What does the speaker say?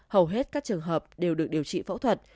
hầu hết các trường hợp đều được điều trị phẫu thuật